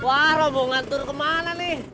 wah robongan tur kemana nih